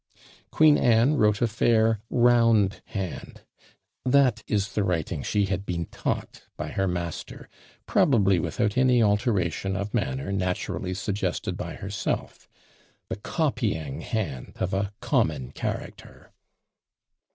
"Queen Anne wrote a fair round hand;" that is the writing she had been taught by her master, probably without any alteration of manner naturally suggested by herself; the copying hand of a common character.